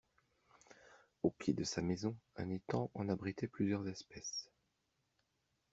Au pied de sa maison, un étang en abritait plusieurs espèces.